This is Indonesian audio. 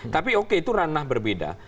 tapi oke itu ranah berbeda